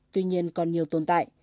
tuy nhiên còn nhiều tồn tại